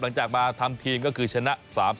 หลังจากมาทำทีมก็คือชนะ๓๐